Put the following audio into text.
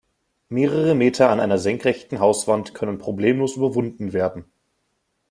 Mehrere Meter an einer senkrechten Hauswand können problemlos überwunden werden.